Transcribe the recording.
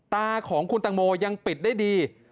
ตาของคุณตังโมยังปิดได้ดี